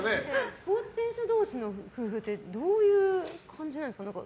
スポーツ選手同士の夫婦ってどういう感じなんですかね。